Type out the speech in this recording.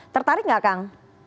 tertarik nggak kang